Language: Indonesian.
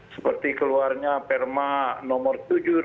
seperti keluarnya perma nomor tujuh ratus delapan puluh sembilan